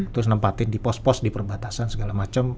terus nempatin di pos pos di perbatasan segala macam